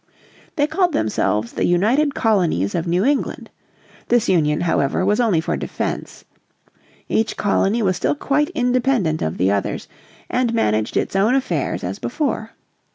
They called themselves the United Colonies of New England. This union, however, was only for defence. Each colony was still quite independent of the others and managed its own affairs as before.